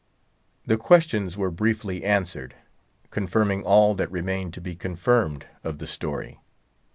The questions were briefly answered, confirming all that remained to be confirmed of the story.